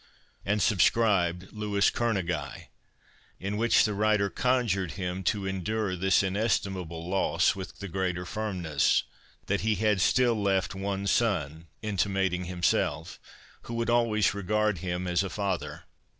and subscribed Louis Kerneguy, in which the writer conjured him to endure this inestimable loss with the greater firmness, that he had still left one son, (intimating himself,) who would always regard him as a father.